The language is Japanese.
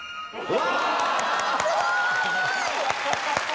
すごーい！